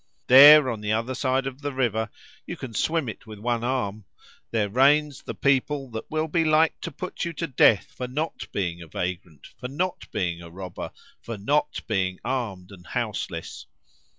There, on the other side of the river (you can swim it with one arm), there reigns the people that will be like to put you to death for not being a vagrant, for not being a robber, for not being armed and houseless.